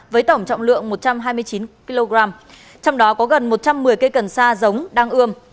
với tổng trọng lượng một trăm hai mươi chín kg trong đó có gần một trăm một mươi cây cần sa giống đang ươm